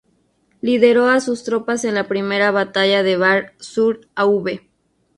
Lideró a su tropas en la Primera Batalla de Bar-sur-Aube.